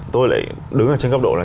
tôi lại đứng ở trên góc độ là